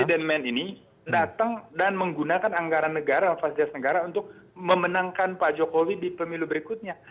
presiden men ini datang dan menggunakan anggaran negara fasilitas negara untuk memenangkan pak jokowi di pemilu berikutnya